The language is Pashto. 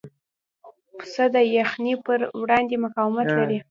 پسه د یخنۍ پر وړاندې مقاومت لري.